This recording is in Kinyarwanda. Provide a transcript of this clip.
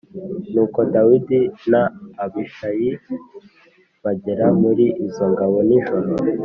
Nuko Dawidi na Abishayi bagera muri izo ngabo nijoro